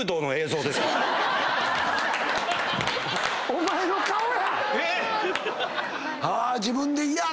お前の顔や！